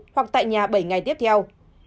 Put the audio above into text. hoặc tại nhà bảy ngày tiếp theo